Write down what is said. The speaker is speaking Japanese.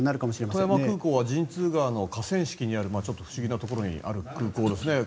富山空港は川の河川敷にある不思議なところにある空港ですね。